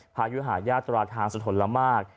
พายุหายาตราทางสะทนละมาก